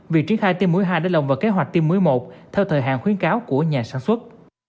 việc triển khai tiêm mũi hai đã lồng vào kế hoạch tiêm muối một theo thời hạn khuyến cáo của nhà sản xuất